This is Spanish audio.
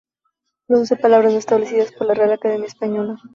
Produce palabras no establecidas por la Real Academia Española.